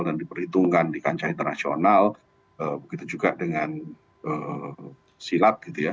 dan diperhitungkan di kancah internasional begitu juga dengan silat